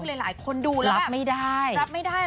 คือหลายคนดูแล้วแบบรับไม่ได้